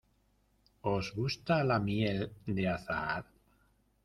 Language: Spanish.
¿Os gusta la miel de azahar?